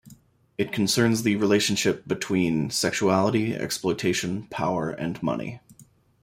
It concerns the relationship between sexuality, exploitation, power and money.